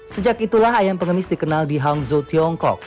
sejak itulah ayam pengemis dikenal di hangzhou tiongkok